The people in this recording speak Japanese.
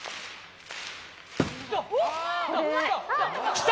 来た！